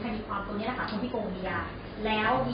แล้วก็ห้องดินเนี่ยที่มีปาระแม่วันนี้